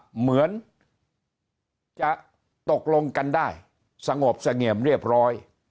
เหมือนจะตกลงกันได้สงบเสงี่ยมเรียบร้อย